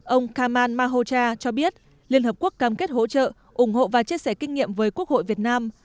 ông kamal mahocha cho biết liên hợp quốc cam kết hỗ trợ ủng hộ và chia sẻ kinh nghiệm với quốc hội việt nam